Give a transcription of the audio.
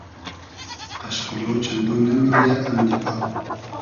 قئشقولۉ چئندۉ نۂ میدیۂ ام دیگا